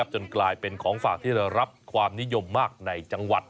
จนกลายเป็นของฝากที่ได้รับความนิยมมากในจังหวัด